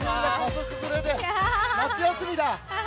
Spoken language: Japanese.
夏休みだ。